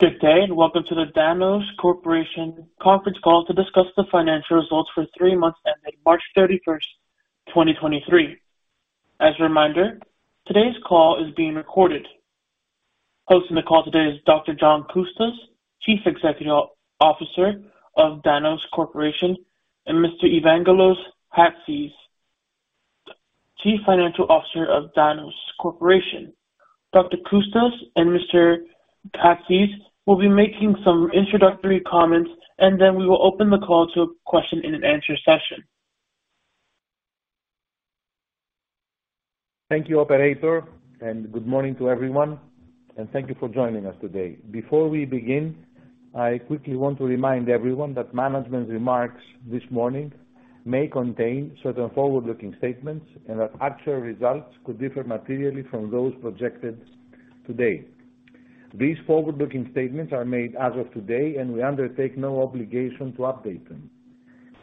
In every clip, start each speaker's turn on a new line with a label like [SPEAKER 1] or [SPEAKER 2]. [SPEAKER 1] Good day and welcome to the Danaos Corporation conference call to discuss the financial results for 3 months ending March 31, 2023. As a reminder, today's call is being recorded. Hosting the call today is Dr. John Coustas, Chief Executive Officer of Danaos Corporation, and Mr. Evangelos Chatzis, Chief Financial Officer of Danaos Corporation. Dr. Coustas and Mr. Chatzis will be making some introductory comments, and then we will open the call to a Q&A session.
[SPEAKER 2] Thank you, operator. Good morning to everyone, and thank you for joining us today. Before we begin, I quickly want to remind everyone that management remarks this morning may contain certain forward-looking statements and that actual results could differ materially from those projected today. These forward-looking statements are made as of today. We undertake no obligation to update them.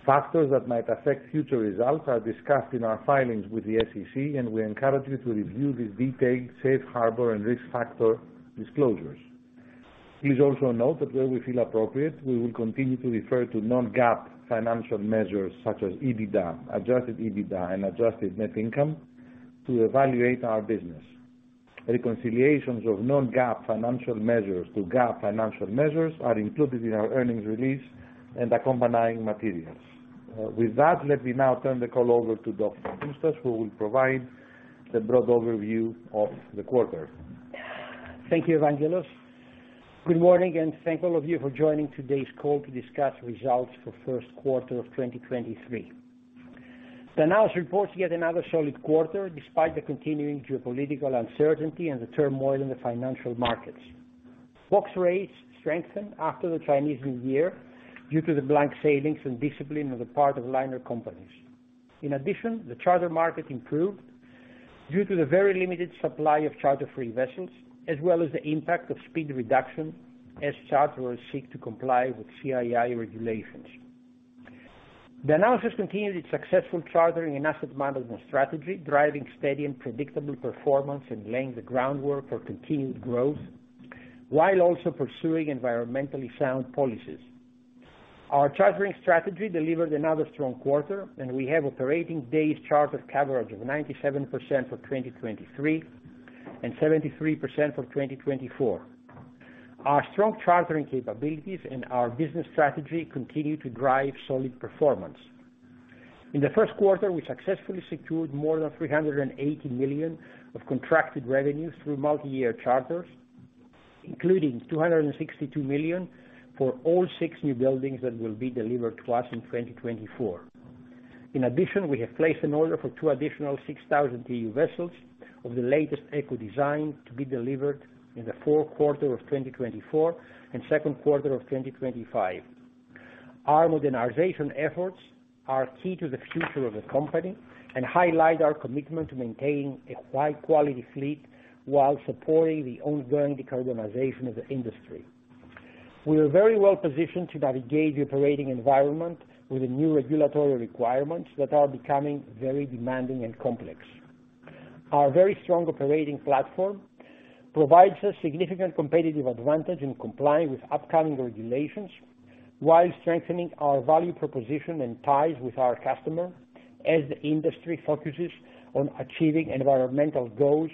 [SPEAKER 2] Factors that might affect future results are discussed in our filings with the SEC. We encourage you to review the detailed safe harbor and risk factor disclosures. Please also note that where we feel appropriate, we will continue to refer to non-GAAP financial measures such as EBITDA, adjusted EBITDA, and adjusted net income to evaluate our business. Reconciliations of non-GAAP financial measures to GAAP financial measures are included in our earnings release and accompanying materials. With that, let me now turn the call over to Dr. Coustas, who will provide the broad overview of the quarter.
[SPEAKER 3] Thank you, Evangelos. Good morning. Thank all of you for joining today's call to discuss results for Q1 of 2023. Danaos reports yet another solid quarter despite the continuing geopolitical uncertainty and the turmoil in the financial markets. Box rates strengthened after the Chinese New Year due to the blank sailings and discipline on the part of liner companies. In addition, the charter market improved due to the very limited supply of charter-free vessels, as well as the impact of speed reduction as charterers seek to comply with CII regulations. Danaos has continued its successful chartering and asset management strategy, driving steady and predictable performance and laying the groundwork for continued growth while also pursuing environmentally sound policies. Our chartering strategy delivered another strong quarter and we have operating days chartered coverage of 97% for 2023 and 73% for 2024. Our strong chartering capabilities and our business strategy continue to drive solid performance. In the Q1, we successfully secured more than $380 million of contracted revenues through multi-year charters, including $262 million for all 6 new buildings that will be delivered to us in 2024. We have placed an order for 2 additional 6,000 TEU vessels of the latest eco-design to be delivered in the Q4 of 2024 and second quarter of 2025. Our modernization efforts are key to the future of the company and highlight our commitment to maintain a high-quality fleet while supporting the ongoing decarbonization of the industry. We are very well positioned to navigate the operating environment with the new regulatory requirements that are becoming very demanding and complex. Our very strong operating platform provides us significant competitive advantage in complying with upcoming regulations while strengthening our value proposition and ties with our customer as the industry focuses on achieving environmental goals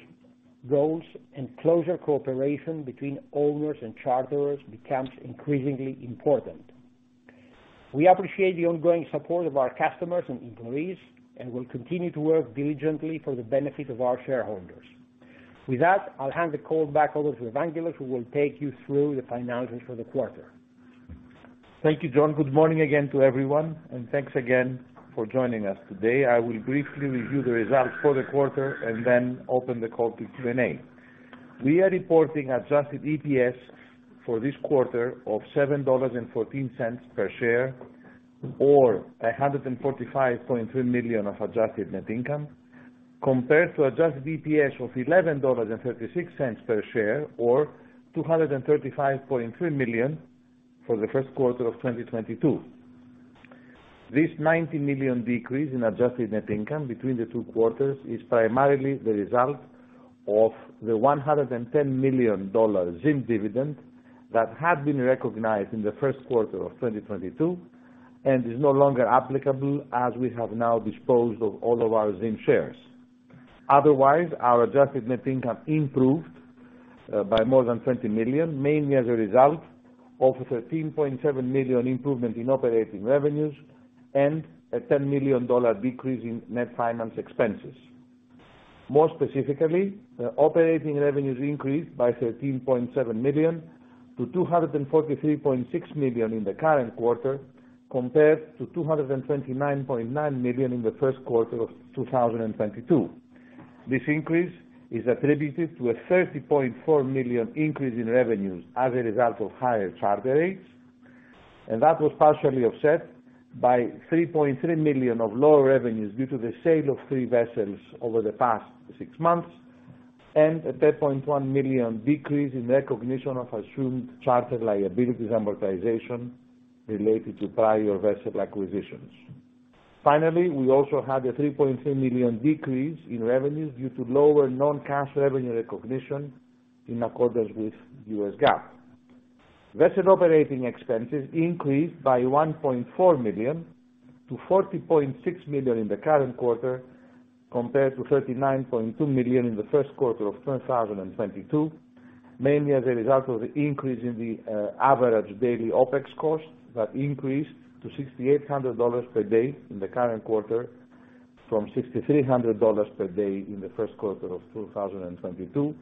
[SPEAKER 3] and closer cooperation between owners and charterers becomes increasingly important. We appreciate the ongoing support of our customers and employees, and will continue to work diligently for the benefit of our shareholders. With that, I'll hand the call back over to Evangelos, who will take you through the financials for the quarter.
[SPEAKER 2] Thank you, John. Good morning again to everyone and thanks again for joining us today. I will briefly review the results for the quarter and then open the call to Q&A. We are reporting adjusted EPS for this quarter of $7.14 per share, or $145.3 million of adjusted net income, compared to adjusted EPS of $11.36 per share or $235.3 million for the Q1 of 2022. This $90 million decrease in adjusted net income between the 2 quarters is primarily the result of the $110 million ZIM dividend that had been recognized in the Q1 of 2022 and is no longer applicable as we have now disposed of all of our ZIM shares. Our adjusted net income improved by more than $20 million, mainly as a result of a $13.7 million improvement in operating revenues and a $10 million decrease in net finance expenses. More specifically, the operating revenues increased by $13.7 million to $243.6 million in the current quarter compared to $229.9 million in the Q1 of 2022. This increase is attributed to a $30.4 million increase in revenues as a result of higher charter rates. That was partially offset by $3.3 million of lower revenues due to the sale of 3 vessels over the past 6 months and a $10.1 million decrease in recognition of assumed charter liabilities amortization related to prior vessel acquisitions. We also had a $3.3 million decrease in revenues due to lower non-cash revenue recognition in accordance with U.S. GAAP. Vessel operating expenses increased by $1.4 million to $40.6 million in the current quarter compared to $39.2 million in the Q1 of 2022, mainly as a result of the increase in the average daily OpEx cost that increased to $6,800 per day in the current quarter from $6,300 per day in the Q1 of 2022.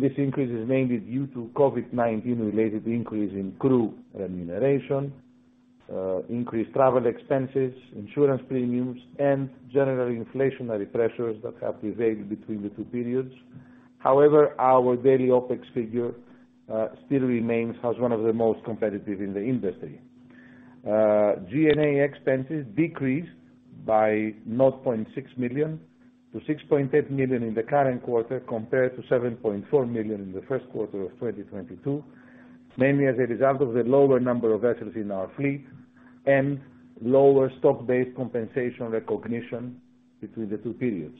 [SPEAKER 2] This increase is mainly due to COVID-19 related increase in crew remuneration, increased travel expenses, insurance premiums, and general inflationary pressures that have prevailed between the 2 periods. However, our daily OpEx figure still remains as one of the most competitive in the industry. G&A expenses decreased by $0.6 million to $6.8 million in the current quarter compared to $7.4 million in the Q1 of 2022, mainly as a result of the lower number of vessels in our fleet and lower stock-based compensation recognition between the 2 periods.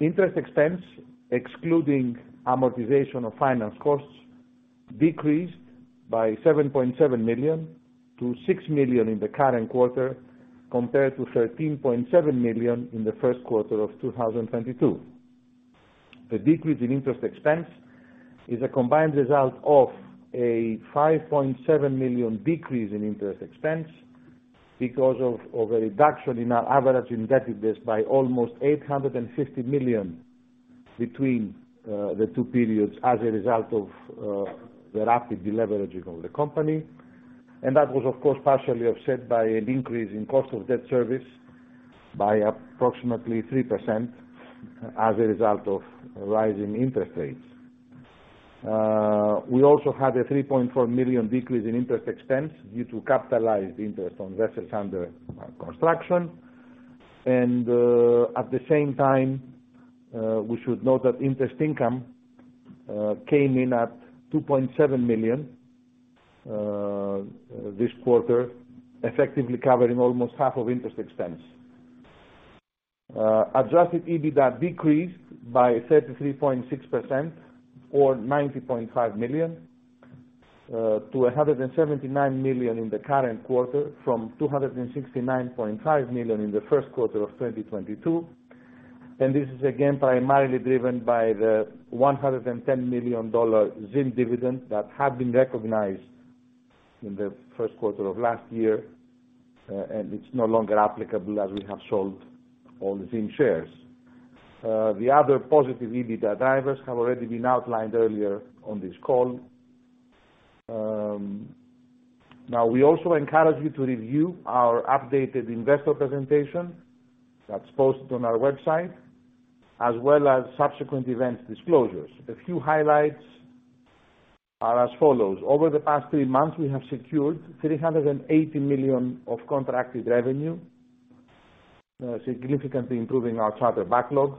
[SPEAKER 2] Interest expense, excluding amortization of finance costs, decreased by $7.7 million to $6 million in the current quarter compared to $13.7 million in the Q1 of 2022. The decrease in interest expense is a combined result of a $5.7 million decrease in interest expense because of a reduction in our average indebtedness by almost $850 million between the 2 periods as a result of the rapid deleveraging of the company. That was of course partially offset by an increase in cost of debt service by approximately 3% as a result of rising interest rates. We also had a $3.4 million decrease in interest expense due to capitalized interest on vessels under construction. At the same time, we should note that interest income came in at $2.7 million this quarter, effectively covering almost half of interest expense. adjusted EBITDA decreased by 33.6% or $90.5 million to $179 million in the current quarter from $269.5 million in the Q1 of 2022. This is again primarily driven by the $110 million ZIM dividend that had been recognized in the Q1 of last year, and it's no longer applicable as we have sold all the ZIM shares. The other positive EBITDA drivers have already been outlined earlier on this call. Now we also encourage you to review our updated investor presentation that's posted on our website as well as subsequent event disclosures. A few highlights are as follows: Over the past 3 months, we have secured $380 million of contracted revenue, significantly improving our charter backlog,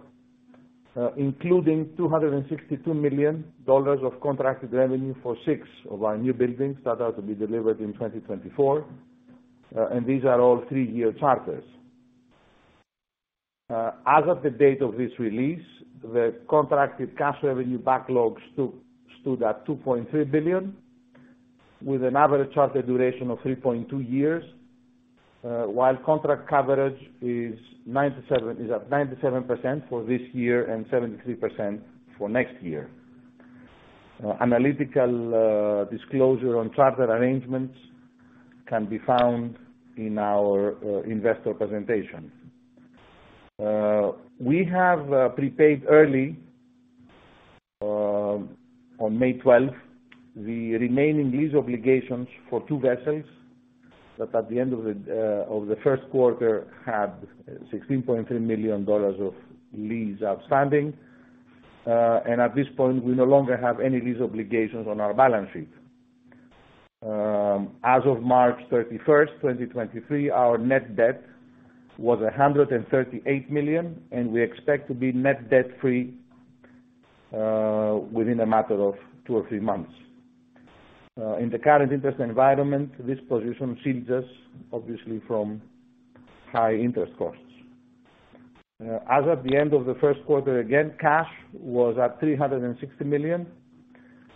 [SPEAKER 2] including $262 million of contracted revenue for 6 of our new buildings that are to be delivered in 2024, and these are all 3-year charters. As of the date of this release, the contracted cash revenue backlog stood at $2.3 billion with an average charter duration of 3.2 years, while contract coverage is at 97% for this year and 73% for next year. Analytical disclosure on charter arrangements can be found in our investor presentation. We have prepaid early on May 12th, the remaining lease obligations for 2 vessels that at the end of the Q1 had $16.3 million of lease outstanding. At this point, we no longer have any lease obligations on our balance sheet. As of March 31st, 2023, our net debt was $138 million, and we expect to be net debt-free within a matter of 2 or 3 months. In the current interest environment, this position shields us obviously from high interest costs. As of the end of the Q1, again, cash was at $360 million,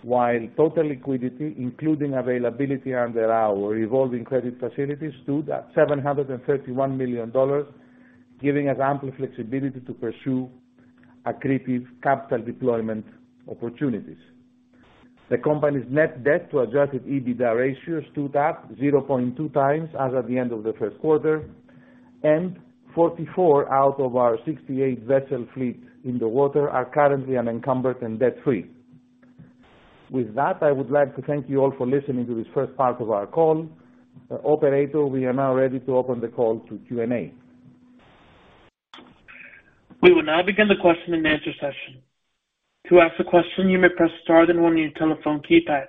[SPEAKER 2] while total liquidity, including availability under our revolving credit facility, stood at $731 million, giving us ample flexibility to pursue accretive capital deployment opportunities. The company's net debt to adjusted EBITDA ratio stood at 0.2 times as of the end of the Q1, and 44 out of our 68 vessel fleet in the water are currently unencumbered and debt-free. I would like to thank you all for listening to this first part of our call. Operator, we are now ready to open the call to Q&A.
[SPEAKER 1] We will now begin the Q&A session. To ask a question, you may press star then one on your telephone keypad.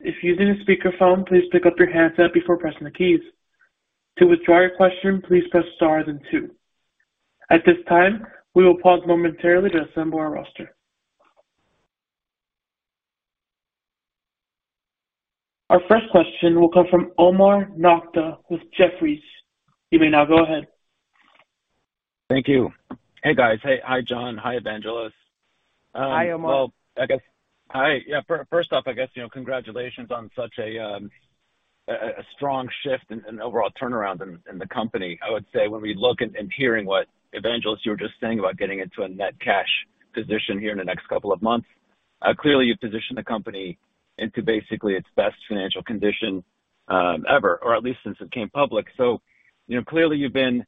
[SPEAKER 1] If using a speakerphone, please pick up your handset before pressing the keys. To withdraw your question, please press star then 2. At this time, we will pause momentarily to assemble our roster. Our first question will come from Omar Nokta with Jefferies. You may now go ahead.
[SPEAKER 4] Thank you. Hey, guys. Hey. Hi, John. Hi, Evangelos.
[SPEAKER 3] Hi, Omar.
[SPEAKER 4] Well, I guess, hi. Yeah, first off, I guess, you know, congratulations on such a strong shift and overall turnaround in the company. I would say when we look at and hearing what, Evangelos, you were just saying about getting into a net cash position here in the next couple of months, clearly you've positioned the company into basically its best financial condition, ever, or at least since it came public. You know, clearly you've been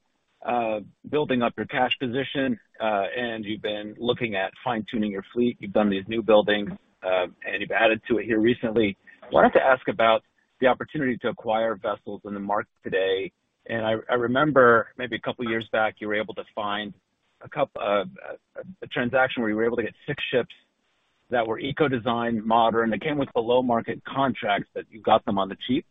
[SPEAKER 4] building up your cash position, and you've been looking at fine-tuning your fleet. You've done these new buildings, and you've added to it here recently. Wanted to ask about the opportunity to acquire vessels in the market today. I remember maybe a couple of years back, you were able to find a transaction where you were able to get 6 ships that were eco-designed, modern. They came with below-market contracts, but you got them on the cheap.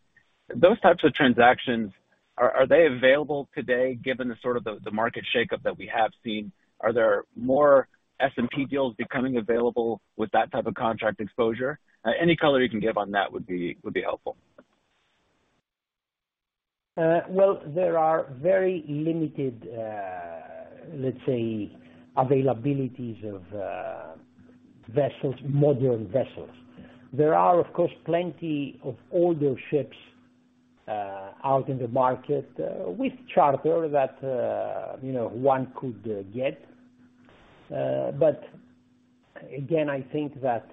[SPEAKER 4] Those types of transactions, are they available today, given the sort of the market shakeup that we have seen? Are there more S&P deals becoming available with that type of contract exposure? Any color you can give on that would be helpful.
[SPEAKER 3] Well, there are very limited, let's say, availabilities of vessels, modern vessels. There are, of course, plenty of older ships out in the market, with charter that, you know, one could get. But again, I think that,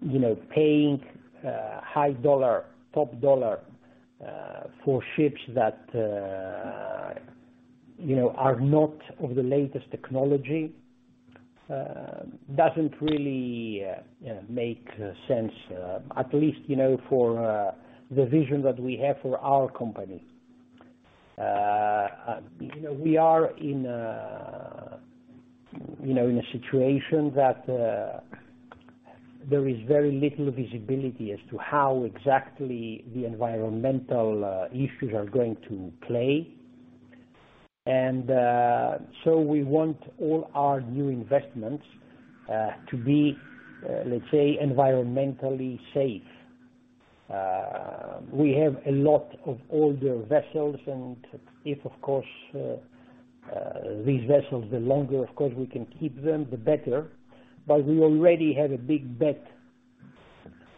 [SPEAKER 3] you know, paying high dollar, top dollar, for ships that, you know, are not of the latest technology, doesn't really, you know, make sense, at least, you know, for the vision that we have for our company. You know, we are in a, you know, in a situation that, there is very little visibility as to how exactly the environmental issues are going to play. So we want all our new investments to be, let's say, environmentally safe. We have a lot of older vessels, if, of course, these vessels, the longer, of course, we can keep them, the better. We already have a big bet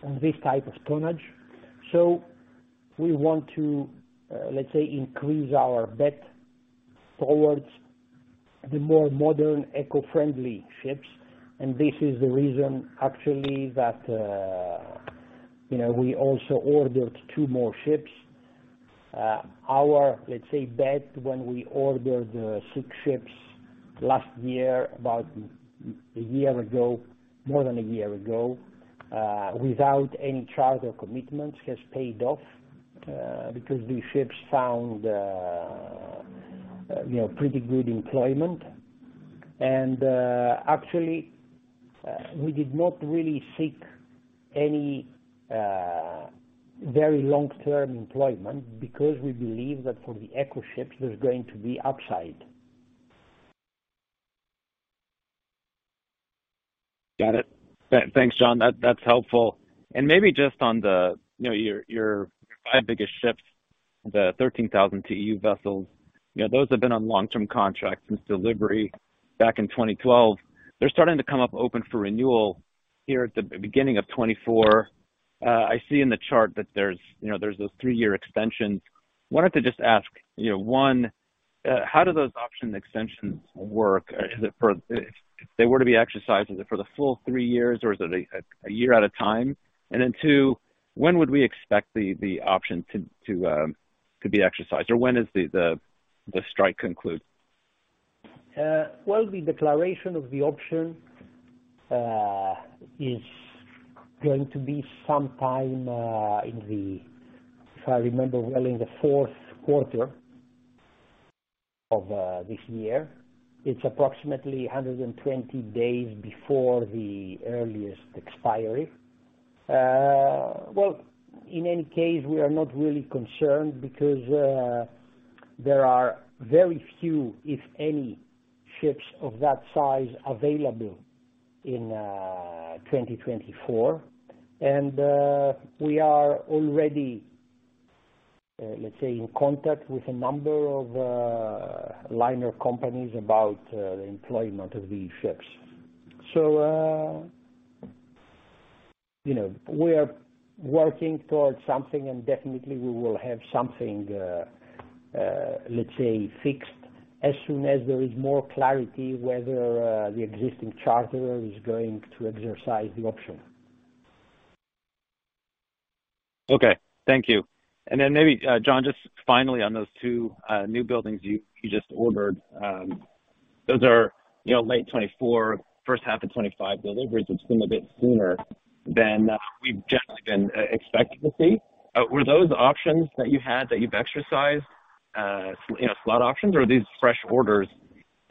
[SPEAKER 3] on this type of tonnage, so we want to, let's say, increase our bet towards the more modern eco-friendly ships. This is the reason actually that, you know, we also ordered 2 more ships. Our, let's say, bet when we ordered 6 ships last year, about a year ago, more than a year ago, without any charter commitments, has paid off, because these ships found, you know, pretty good employment. Actually, we did not really seek any, very long-term employment because we believe that for the eco ships, there's going to be upside.
[SPEAKER 4] Got it. Thanks, John. That's helpful. Maybe just on the... you know, your 5 biggest ships, the 13,000 TEU vessels, you know, those have been on long-term contracts since delivery back in 2012. They're starting to come up open for renewal here at the beginning of 2024. I see in the chart that there's, you know, those 3-year extensions. Wanted to just ask, you know, 1, how do those option extensions work? If they were to be exercised, is it for the full 3 years or is it a year at a time? 2, when would we expect the option to be exercised? When does the strike conclude?
[SPEAKER 3] The declaration of the option is going to be sometime in the Q4 of this year. It's approximately 120 days before the earliest expiry. In any case, we are not really concerned because there are very few, if any, ships of that size available in 2024. We are already, let's say, in contact with a number of liner companies about the employment of these ships. You know, we are working towards something, and definitely we will have something, let's say, fixed as soon as there is more clarity whether the existing charterer is going to exercise the option.
[SPEAKER 4] Okay. Thank you. Then maybe, John, just finally on those 2 new buildings you just ordered, those are, you know, late 2024, H1 of 2025 deliveries, which seem a bit sooner than we've generally been expecting to see. Were those options that you had, that you've exercised, you know, slot options, or are these fresh orders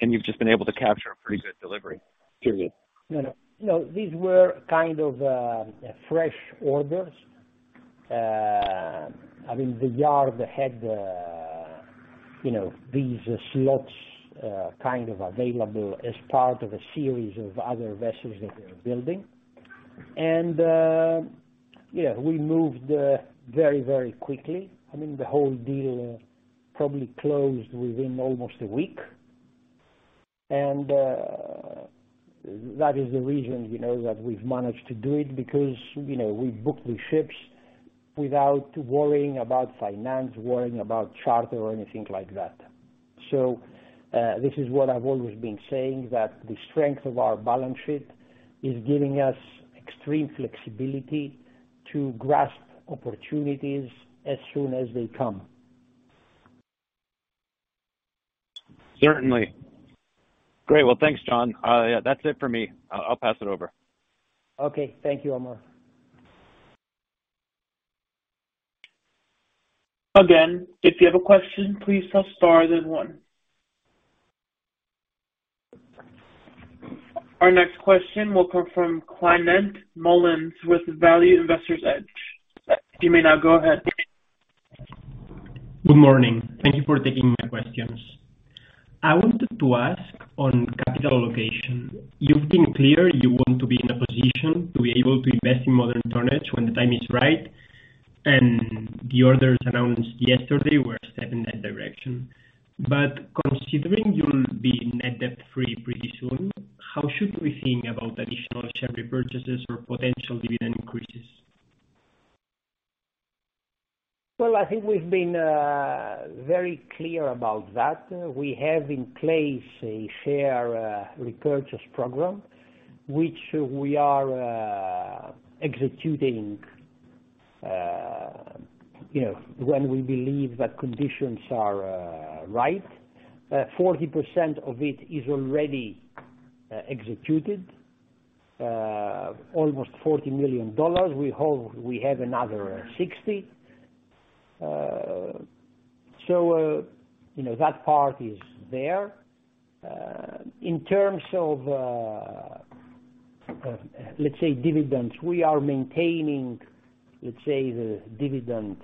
[SPEAKER 4] and you've just been able to capture a pretty good delivery period?
[SPEAKER 3] No, no. These were kind of fresh orders. I mean, the yard had, you know, these slots kind of available as part of a series of other vessels that we're building. Yeah, we moved very, very quickly. I mean, the whole deal probably closed within almost a week. That is the reason, you know, that we've managed to do it because, you know, we booked the ships without worrying about finance, worrying about charter or anything like that. This is what I've always been saying, that the strength of our balance sheet is giving us extreme flexibility to grasp opportunities as soon as they come.
[SPEAKER 4] Certainly. Great. Well, thanks, John. Yeah, that's it for me. I'll pass it over.
[SPEAKER 3] Okay. Thank you, Omar.
[SPEAKER 1] Again, if you have a question, please press star then one. Our next question will come from Climent Molins with Value Investor's Edge. You may now go ahead.
[SPEAKER 5] Good morning. Thank you for taking my questions. I wanted to ask on capital allocation. You've been clear you want to be in a position to be able to invest in modern tonnage when the time is right. The orders announced yesterday were a step in that direction. Considering you'll be net debt free pretty soon, how should we think about additional share repurchases or potential dividend increases?
[SPEAKER 3] I think we've been very clear about that. We have in place a share repurchase program, which we are executing, you know, when we believe that conditions are right. 40% of it is already executed, almost $40 million. We hold, we have another $60 million. You know, that part is there. In terms of let's say dividends, we are maintaining, let's say, the dividend,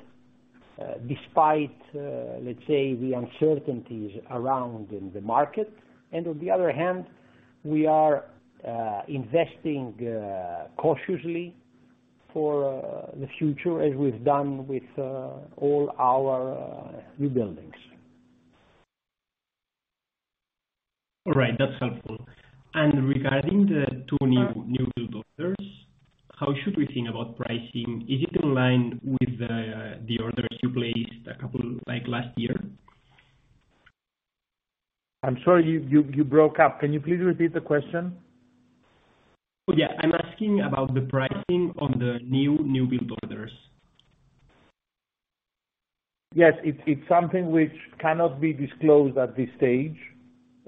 [SPEAKER 3] despite let's say, the uncertainties around in the market. On the other hand, we are investing cautiously for the future, as we've done with all our new buildings.
[SPEAKER 5] All right, that's helpful. Regarding the 2 new, newbuild orders, how should we think about pricing? Is it in line with the orders you placed a couple like last year?
[SPEAKER 3] I'm sorry, you broke up. Can you please repeat the question?
[SPEAKER 5] Yeah, I'm asking about the pricing on the new newbuild orders.
[SPEAKER 3] Yes. It's something which cannot be disclosed at this stage.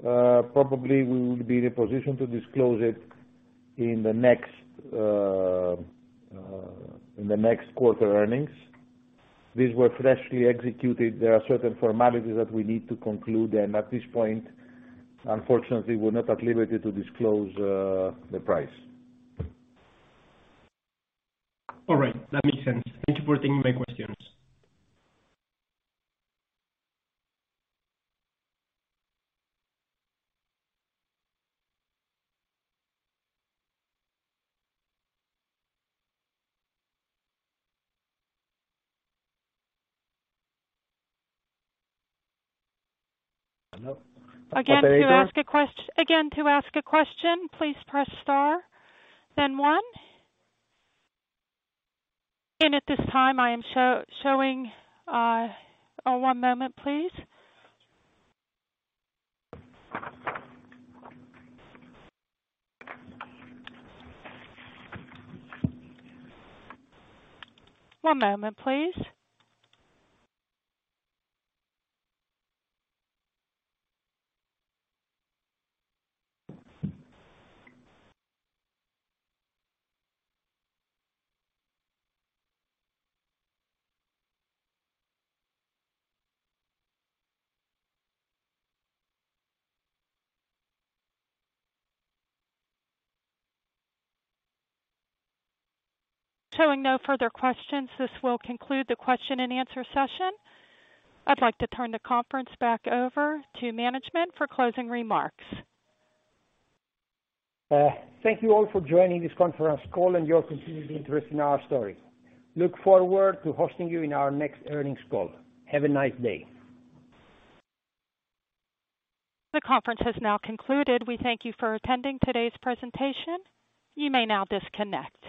[SPEAKER 3] probably we would be in a position to disclose it in the next quarter earnings. These were freshly executed. There are certain formalities that we need to conclude. At this point, unfortunately, we're not at liberty to disclose, the price.
[SPEAKER 5] All right, that makes sense. Thank you for taking my questions.
[SPEAKER 1] Again, to ask a question, please press star then one. At this time, I am showing, one moment, please. One moment, please. Showing no further questions, this will conclude the Q&A session. I'd like to turn the conference back over to management for closing remarks.
[SPEAKER 3] Thank you all for joining this conference call and your continued interest in our story. Look forward to hosting you in our next earnings call. Have a nice day.
[SPEAKER 1] The conference has now concluded. We thank you for attending today's presentation. You may now disconnect.